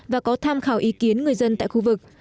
và có tham khảo ý kiến người dân tại khu vực